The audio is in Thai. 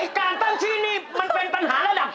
ไอ้การตั้งชีวิตนี่มันเป็นปัญหาระดับข้างเลย